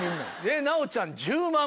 奈央ちゃん１０万